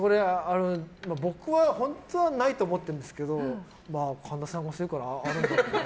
僕は本当はないと思ってるんですけど神田さんがおっしゃるからあるのかなと。